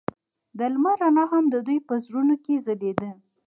د لمر رڼا هم د دوی په زړونو کې ځلېده.